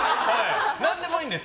何でもいいんです。